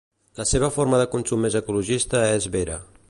La seva forma de consum més ecologista és vera.